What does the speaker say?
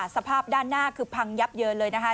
สภาพด้านหน้าคือพังยับเยินเลยนะคะ